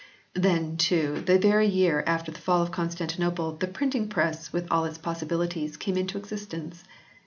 Then, too, the very year after the Fall of Constan tinople the Printing Press with all its possibilities came into existence.